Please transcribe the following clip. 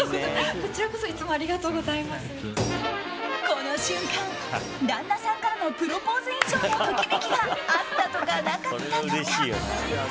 この瞬間、旦那さんからのプロポーズ以上のときめきがあったとか、なかったとか。